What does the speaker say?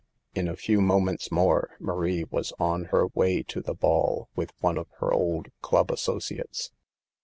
In a few moments more Marie was on her way to the ball with one of her old club asso ciates.